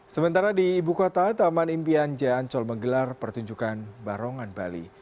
sementara di ibu kota taman impian jaya ancol menggelar pertunjukan barongan bali